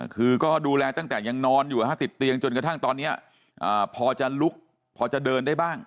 คือก็ดูแลตั้งแต่ยังนอนอยู่ติดเตียงจนกระทั่งตอนนี้พอจะลุกพอจะเดินได้บ้าง